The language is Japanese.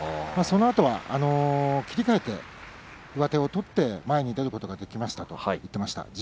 そのあとは切り替えて上手を取って前に出ることができたと言っていました。